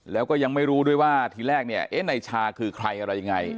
แล้วก็ยังไม่รู้ด้วยว่าทีแรกเนี่ยเอ๊ะนายชาคือใครอะไรยังไง